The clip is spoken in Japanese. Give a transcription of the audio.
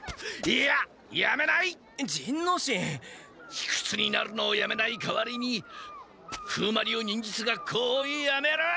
ひくつになるのをやめない代わりに風魔流忍術学校をやめる！